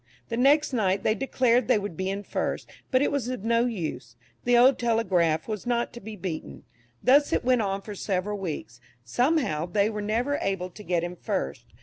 The next night they declared they would be in first; but it was of no use, the old "Telegraph" was not to be beaten. Thus it went on for several weeks; somehow they were never able to get in first.